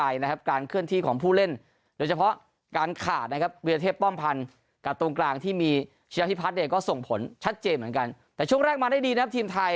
ยิงในติดเซฟของแก้วอูดรครับ